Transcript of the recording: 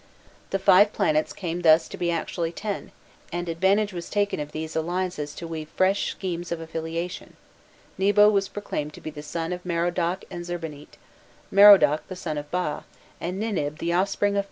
The five planets came thus to be actually ten, and advantage was taken of these alliances to weave fresh schemes of affiliation: Nebo was proclaimed to be the son of Merodach and Zirbanit, Merodach the son of Ba, and Ninib the offspring of Bel and Esharra.